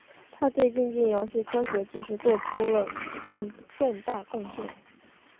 他对竞技游泳科学技术做出了重大贡献。